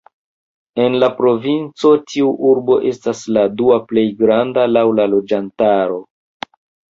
En la provinco tiu urbo estas la dua plej granda laŭ la loĝantaro.